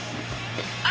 あ！